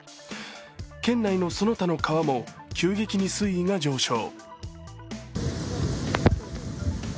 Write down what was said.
県内のその他の川も急激に水位が上昇。